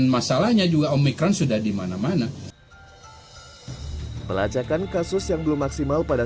masalahnya juga omikron sudah dimana mana pelacakan kasus yang belum maksimal pada